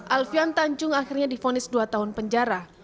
alfian tanjung akhirnya difonis dua tahun penjara